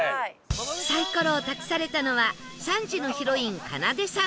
サイコロを託されたのは３時のヒロインかなでさん